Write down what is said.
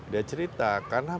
dia cerita karena